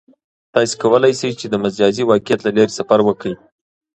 تاسو کولای شئ چې د مجازی واقعیت له لارې سفر وکړئ.